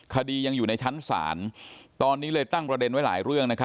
คดียังอยู่ในชั้นศาลตอนนี้เลยตั้งประเด็นไว้หลายเรื่อง